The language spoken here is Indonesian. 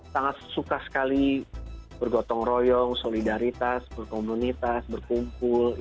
sangat suka sekali bergotong royong solidaritas berkomunikasi berkumpul